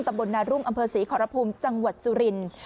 บนนารุ่งอำเภอศรีขอรภูมิจังหวัดสุรินทร์